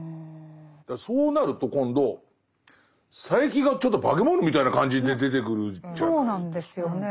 そうなると今度佐柄木がちょっと化け物みたいな感じで出てくるじゃないですか。